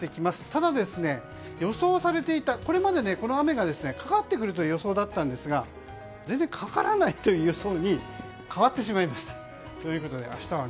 ただ、予想されていたこれまでこの雨がかかってくるという予想だったんですが全然かからないという予想に変わってしまいました。